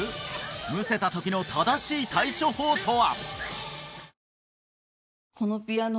むせた時の正しい対処法とは？